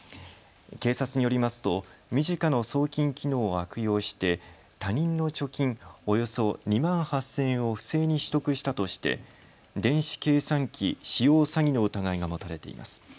警察によりますとｍｉｊｉｃａの送金機能を悪用して他人の貯金およそ２万８０００円を不正に取得したとして電子計算機使用詐欺の疑いが持たれています。